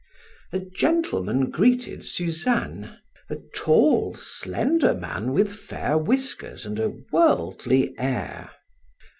A gentleman greeted Suzanne a tall, slender man with fair whiskers and a worldly air.